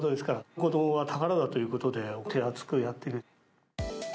子どもは宝だということで、手厚くやっていく。